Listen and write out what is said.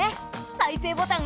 再生ボタン。